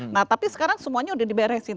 nah tapi sekarang semuanya udah diberesin